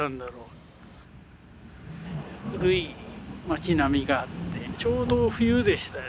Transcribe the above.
古い町並みがあってちょうど冬でした。